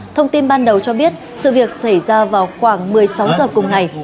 thông tin ban đầu cho biết sự việc xảy ra vào khoảng một mươi sáu h cùng ngày